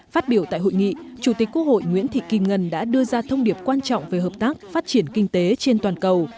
phát biểu tại hội nghị chủ tịch quốc hội nguyễn thị kim ngân đã đưa ra thông điệp quan trọng về hợp tác phát triển kinh tế trên toàn cầu